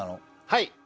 はい。